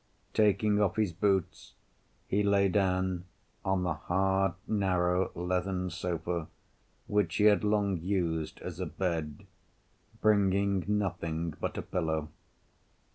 Taking off his boots, he lay down on the hard, narrow, leathern sofa, which he had long used as a bed, bringing nothing but a pillow.